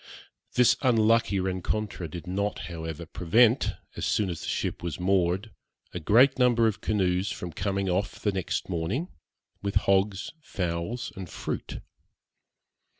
This unlucky rencontre did not, however, prevent, as soon as the ship was moored, a great number of canoes from coming off the next morning, with hogs, fowls, and fruit.